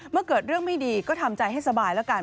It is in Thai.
เมื่อเกิดเรื่องไม่ดีก็ทำใจให้สบายแล้วกัน